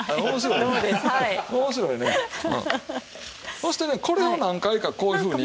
そしてねこれを何回かこういうふうに。